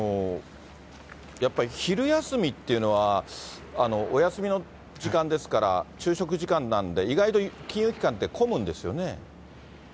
やっぱり昼休みっていうのは、お休みの時間ですから、昼食時間なんで、意外と金融機関って混むんですよね。